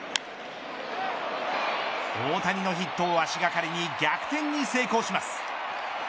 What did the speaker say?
大谷のヒットを足掛かりに逆転に成功します。